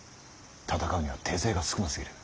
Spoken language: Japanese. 戦うには手勢が少なすぎる。